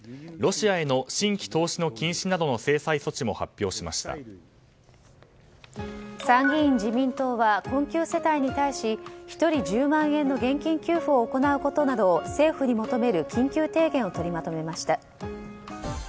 ロシアへの新規投資の禁止などの制裁措置も参議院自民党は困窮世帯に対し１人１０万円の現金給付を行うことなど政府に求める緊急提言を取りまとめました。